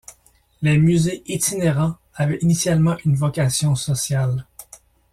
Les musées itinérants avaient initialement une vocation sociale.